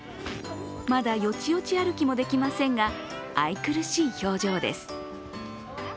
まだ、よちよち歩きもできませんが愛くるしい表情です。